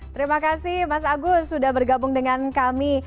terima kasih mas agus sudah bergabung dengan kami